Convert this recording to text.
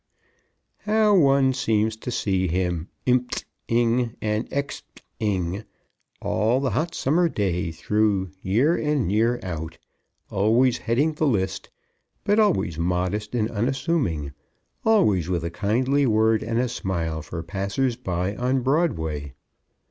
How one seems to see him, impting and expting all the hot summer day through, year in and year out, always heading the list, but always modest and unassuming, always with a kindly word and a smile for passers by on Broadway!